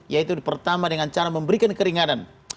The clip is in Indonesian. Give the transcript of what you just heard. yaitu pertama dengan cara memberikan keringanan